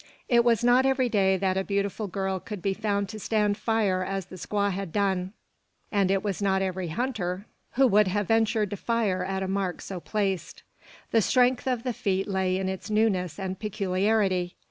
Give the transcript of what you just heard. It was not every day that a beautiful girl could be found to stand fire as the squaw had done; and it was not every hunter who would have ventured to fire at a mark so placed. The strength of the feat lay in its newness and peculiarity.